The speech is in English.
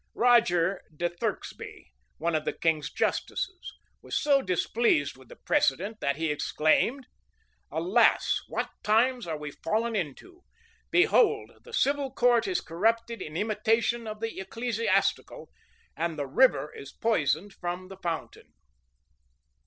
Roger de Thurkesby, one of the king's justices, was so displeased with the precedent, that he exclaimed, "Alas! what times are we fallen into? Behold, the civil court is corrupted in imitation of the ecclesiastical, and the river is poisoned from that fountain."